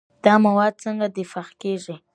دا مواد څنګه دفع کېږي؟